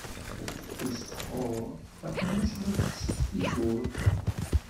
Tafettust teqqur. Taqemmuct la tesfituṛ.